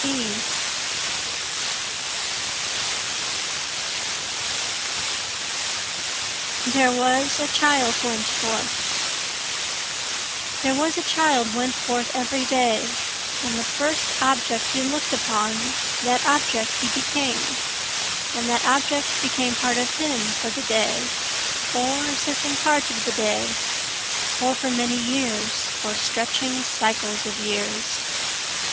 There Was a Child Went Forth There was a child went forth every day, And the first object he look'd upon, that object he became, And that object became part of him for the day or a certain part of the day, Or for many years or stretching cycles of years.